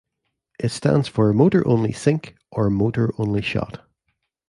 It stands for "motor only sync" or "motor only shot".